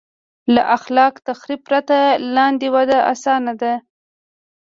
له خلاق تخریب پرته لاندې وده اسانه ده.